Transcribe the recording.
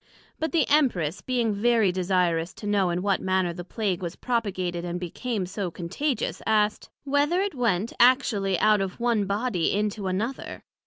But the Empress being very desirous to know in what manner the Plague was propagated, and became so contagious, asked, Whether it went actually out of one body into another?